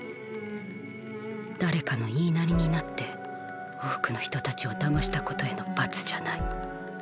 誰かの言いなりになって多くの人たちを騙したことへの罰じゃない。